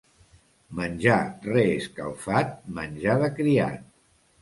Menjar reescalfat, menjar de criat.